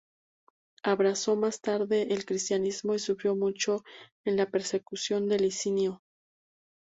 Abrazó más tarde el cristianismo y sufrió mucho en la persecución de Licinio.